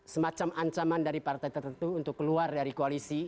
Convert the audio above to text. semacam ancaman dari partai tertentu untuk keluar dari koalisi